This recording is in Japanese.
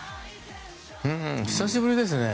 久しぶりですね。